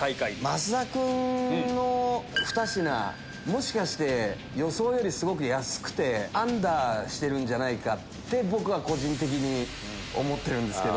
増田君の２品もしかして予想よりすごく安くてアンダーしてるんじゃないかって僕は個人的に思ってるんですけど。